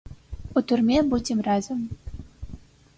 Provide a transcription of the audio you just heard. У турме будзем разам.